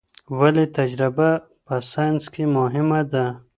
ولي تجربه په ساينس کي مهمه ده؟